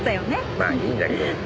まあいいんだけど。